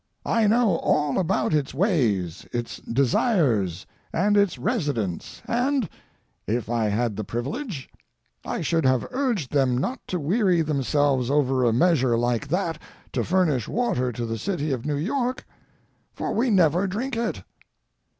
I know all about its ways, its desires, and its residents, and—if I had the privilege—I should have urged them not to weary themselves over a measure like that to furnish water to the city of New York, for we never drink it.